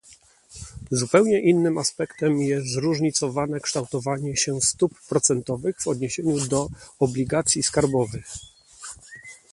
Zupełnie innym aspektem jest zróżnicowane kształtowanie się stóp procentowych w odniesieniu do obligacji skarbowych